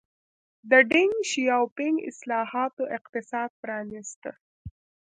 د ډینګ شیاوپینګ اصلاحاتو اقتصاد پرانیسته.